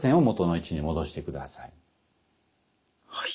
はい。